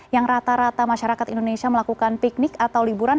yang rata rata masyarakat indonesia melakukan piknik atau liburan